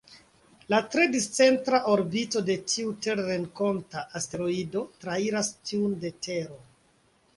La tre discentra orbito de tiu terrenkonta asteroido trairas tiun de Tero.